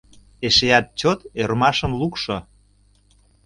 ... эшеат чот ӧрмашым лукшо